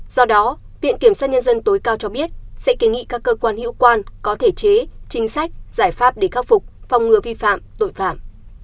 do đó viện kiểm sát nhân dân tối cao cho biết sẽ kiến nghị các cơ quan hữu quan có thể chế chính sách giải pháp để khắc phục phòng ngừa vi phạm tội phạm